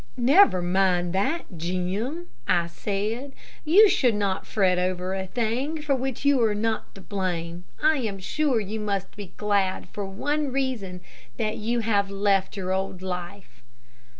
"Never mind that, Jim," I said. "You should not fret over a thing for which you are not to blame. I am sure you must be glad for one reason that you have left your old life."